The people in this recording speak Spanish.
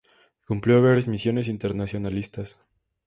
Cumplió varias Misiones Internacionalistas.